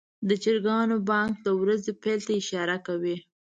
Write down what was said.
د چرګانو بانګ د ورځې پیل ته اشاره کوي.